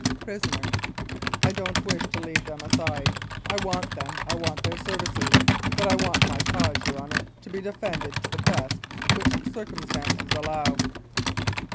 PRISONER: I don't wish to leave them aside. I want them, I want their services ; but I want my cause, your Honour, to be defended to the best which circum stances allow.